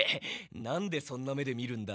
なんでそんな目で見るんだ？